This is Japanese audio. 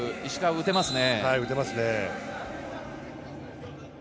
打てますね。